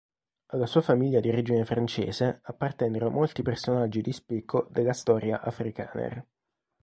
Alla sua famiglia, di origine francese, appartennero molti personaggi di spicco della storia afrikaner.